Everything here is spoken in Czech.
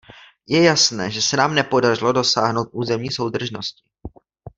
Je jasné, že se nám nepodařilo dosáhnout územní soudržnosti.